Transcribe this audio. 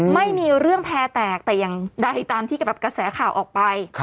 ไม่มีเรื่องแพร่แตกแต่อย่างใดตามที่กระแสข่าวออกไป